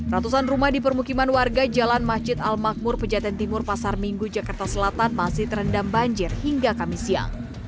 ratusan rumah di permukiman warga jalan masjid al makmur pejaten timur pasar minggu jakarta selatan masih terendam banjir hingga kamis siang